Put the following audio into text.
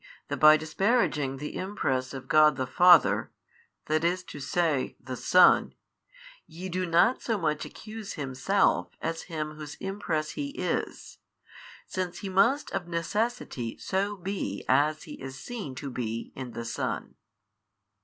that by disparaging the Impress of God the Father, i. e., |611 the Son, ye do not so much accuse Himself as Him Whose Impress He is, since He must of necessity so be as He is seen to be in the Son.